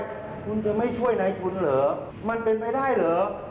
คุณจะไม่ช่วยนายทุนเหรอมันเป็นไปได้เหรอ